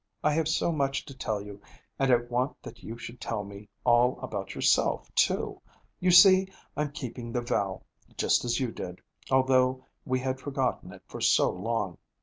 I have so much to tell you, and I want that you should tell me all about yourself, too. You see I'm keeping the vow, just as you did, although we had forgotten it for so long.